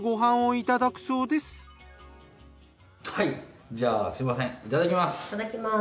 いただきます。